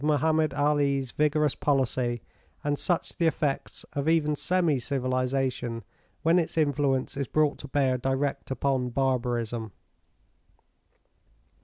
148]Mohammed Ali's vigorous policy, and such the effects of even semi civilisation, when its influence is brought to bear direct upon barbarism.